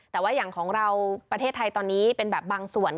แต่ว่าอย่างของเราประเทศไทยตอนนี้เป็นแบบบางส่วน